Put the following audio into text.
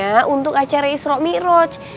dramanya untuk acara isrok mi'roj